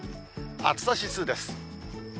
暑さ指数です。